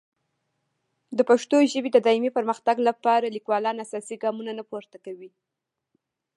د پښتو ژبې د دایمي پرمختګ لپاره لیکوالان اساسي ګامونه نه پورته کوي.